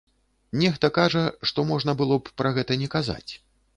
Нехта кажа, што можна было б пра гэта не казаць.